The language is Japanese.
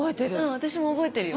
私も覚えてるよ。